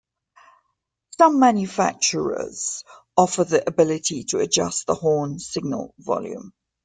Some manufacturers offer the ability to adjust the horn signal volume.